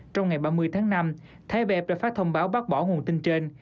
trong ngày ba mươi tháng năm thái bef đã phát thông báo bác bỏ nguồn tin trên